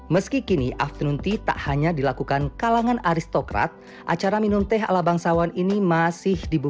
meski kini afternoon tea tak hanya dilakukan kalangan aristokrat acara minum teh ala bangsawan ini masih dibuka